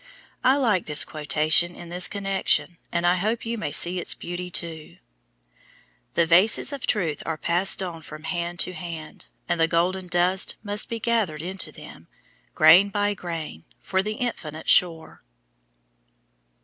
I like this quotation in this connection, and I hope you may see its beauty too "The vases of truth are passed on from hand to hand, and the golden dust must be gathered into them, grain by grain, from the infinite shore."